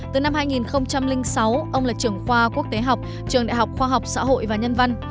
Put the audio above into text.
từ năm hai nghìn sáu ông là trưởng khoa quốc tế học trường đại học khoa học xã hội và nhân văn